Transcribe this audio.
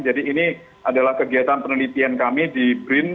jadi ini adalah kegiatan penelitian kami di brin